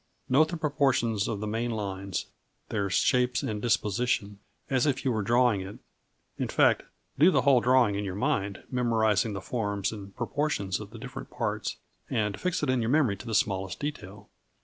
Note the proportions of the main lines, their shapes and disposition, as if you were drawing it, in fact do the whole drawing in your mind, memorising the forms and proportions of the different parts, and fix it in your memory to the smallest detail.